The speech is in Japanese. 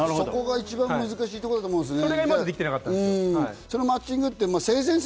そこが難しいところだと思うんですよね。